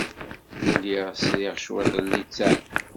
Lliɣ sriɣ cwiṭ n litteɛ.